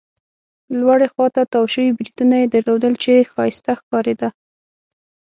لوړې خوا ته تاو شوي بریتونه يې درلودل، چې ښایسته ښکارېده.